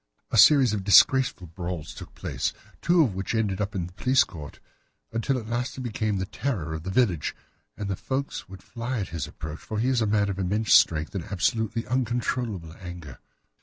A series of disgraceful brawls took place, two of which ended in the police court, until at last he became the terror of the village, and the folks would fly at his approach, for he is a man of immense strength, and absolutely uncontrollable in his anger.